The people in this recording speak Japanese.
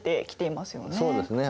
そうですね。